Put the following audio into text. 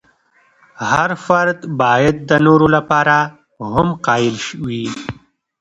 هر فرد باید د نورو لپاره هم قایل وي.